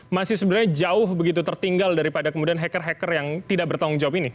masih sebenarnya jauh begitu tertinggal daripada kemudian hacker hacker yang tidak bertanggung jawab ini